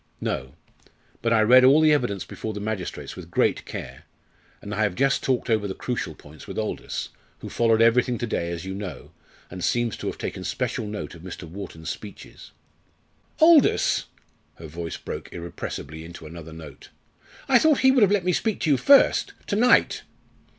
"No. But I read all the evidence before the magistrates with great care, and I have just talked over the crucial points with Aldous, who followed everything to day, as you know, and seems to have taken special note of Mr. Wharton's speeches." "Aldous!" her voice broke irrepressibly into another note "I thought he would have let me speak to you first! to night!"